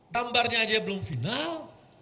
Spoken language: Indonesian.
gambarnya aja belum final